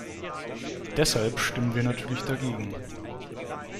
Deshalb stimmen wir natürlich dagegen.